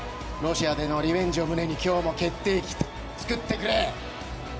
ロシアでのリベンジを胸に今日も決定機、作ってくれ！